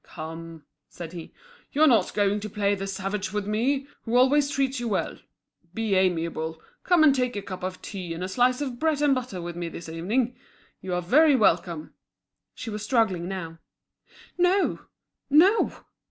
"Come," said he, "you are not going to play the savage with me, who always treats you well. Be amiable, come and take a cup of tea and a slice of bread and butter with me this evening. You are very welcome." She was struggling now. "No! no!"